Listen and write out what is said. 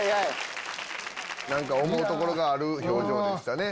何か思うところがある表情でしたね。